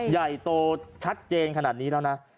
ใหญ่โตชัดเจนขนาดนี้แล้วนะ